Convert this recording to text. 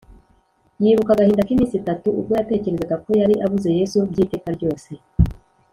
yibuka agahinda k’iminsi itatu ubwo yatekerezaga ko yari abuze Yesu by’iteka ryose